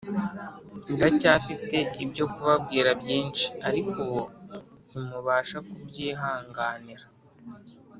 Ndacyafite ibyo kubabwira byinshi, ariko ubu ntimubasha kubyihanganira.